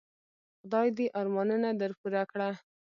خدای دي ارمانونه در پوره کړه .